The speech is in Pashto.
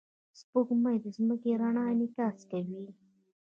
سپوږمۍ د ځمکې د رڼا انعکاس کوي